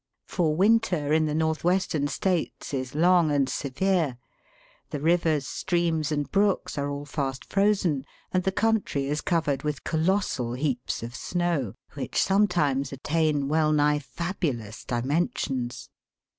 For winter in the North western States is long and severe ; the rivers, streams, and brooks are all fast frozen, and the country is covered with colossal heaps of snow, which sometimes attain well nigh fabulous dimensions.